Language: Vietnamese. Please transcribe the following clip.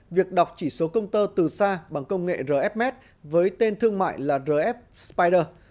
việc đọc chỉ số công tơ từ xa bằng công nghệ rf với tên thương mại là rf spider